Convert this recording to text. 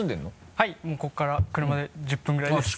はいもうここから車で１０分ぐらいです。